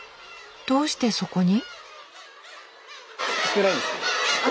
どうしてそこに？